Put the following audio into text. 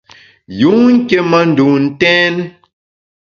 Yun nké ma ndun ntèn.